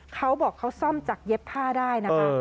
เขาบอกเขาซ่อมจากเย็บผ้าได้นะคะ